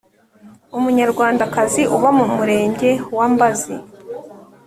Umunyarwandakazi uba mu Murenge wa Mbazi